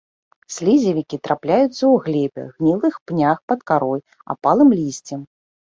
Слізевікі трапляюцца ў глебе, гнілых пнях, пад карой, апалым лісцем.